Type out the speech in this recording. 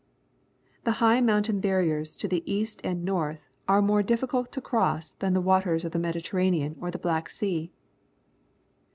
The high mountain barriers to the east and north are more difficult to cross than the waters of the Mediterranean or the Black Sea.